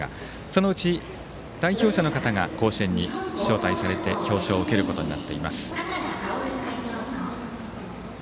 そのうち、代表者の方が甲子園に招待されて表彰を受けることになっています。